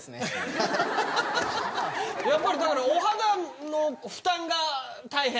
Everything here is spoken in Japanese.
やっぱりお肌の負担が大変？